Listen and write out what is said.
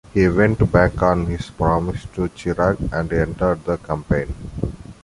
He went back on his promise to Chirac and entered the campaign.